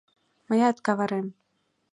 Мыят каварем!